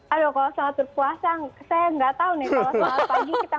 aduh kalau selamat berpuasa saya nggak tahu nih